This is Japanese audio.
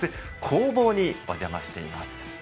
工房にお邪魔しています。